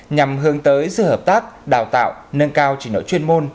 nhằm hướng tới sự hợp tác đào tạo nâng cao trình độ chuyên môn